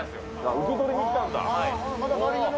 受け取りに来たんだ。